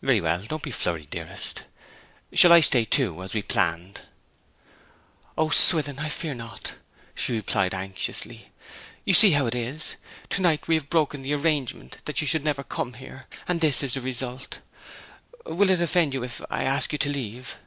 'Very well; don't be flurried, dearest. Shall I stay too, as we planned?' 'O, Swithin, I fear not!' she replied anxiously. 'You see how it is. To night we have broken the arrangement that you should never come here; and this is the result. Will it offend you if I ask you to leave?'